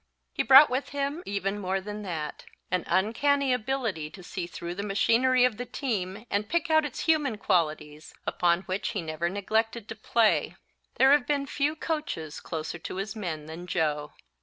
He brought with him even more than that an uncanny ability to see through the machinery of the team and pick out its human qualities, upon which he never neglected to play. There have been few coaches closer to his men than Joe.